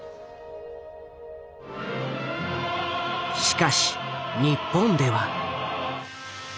しかし日本では。